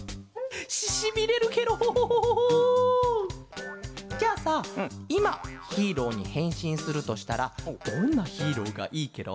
ししびれるケロ。じゃあさいまヒーローにへんしんするとしたらどんなヒーローがいいケロ？